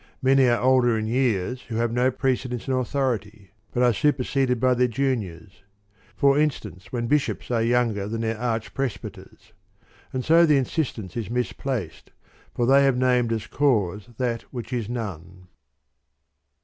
Many are older in years who have no prece dence in authority, but are superseded by their juniors ; for instance, when bishops are younger than their arch presbyters. And so the insistence is misplaced, for they have named as cause that which is none.